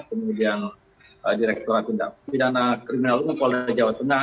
kemudian direkturat tindak pidana kriminal kuala jawa tengah